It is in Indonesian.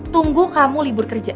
tunggu kamu libur kerja